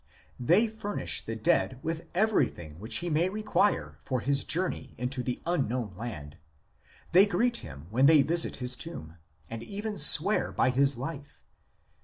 They furnish the dead with everything which he may require for his journey into the unknown land, they greet him when they visit his tomb, and even swear by his life.